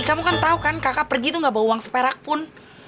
kamu kan tahu kan kakak pergi itu gak bawa uang seperak pun